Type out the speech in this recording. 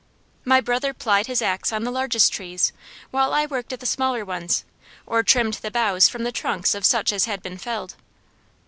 My brother plied his axe on the largest trees, while I worked at the smaller ones or trimmed the boughs from the trunks of such as had been felled.